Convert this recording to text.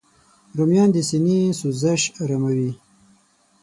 رومیان د سینې سوزش آراموي